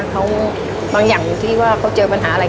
เขาบางอย่างที่ว่าเขาเจอปัญหาอะไร